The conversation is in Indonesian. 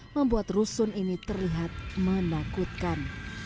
membuat rusun ini terlihat menakutkan